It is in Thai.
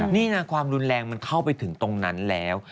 นี่นะความรุนแรงมันเข้าไปถึงตรงนั้นแล้ว